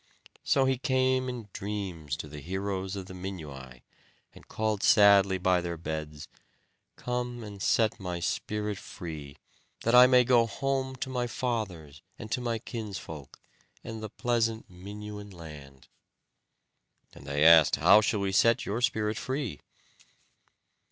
So he came in dreams to the heroes of the Minuai, and called sadly by their beds: "Come and set my spirit free, that I may go home to my fathers and to my kinsfolk, and the pleasant Minuan land." And they asked: "How shall we set your spirit free?"